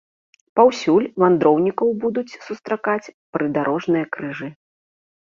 Паўсюль вандроўнікаў будуць сустракаць прыдарожныя крыжы.